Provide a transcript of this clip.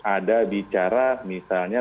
ada bicara misalnya